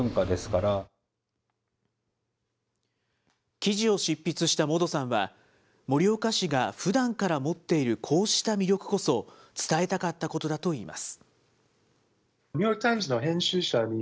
記事を執筆したモドさんは、盛岡市がふだんから持っているこうした魅力こそ、伝えたかったことだといいます。